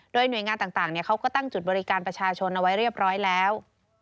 โดยหน่วยงานต่างเขาก็ตั้งจุดบริการประชาชนเอาไว้เรียบร้อยแล้ว